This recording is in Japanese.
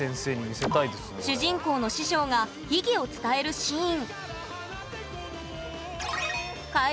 主人公の師匠が秘技を伝えるシーン